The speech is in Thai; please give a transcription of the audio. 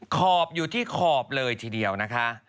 ขอบอยู่ที่ขอบเลยทีเดียวนะคะ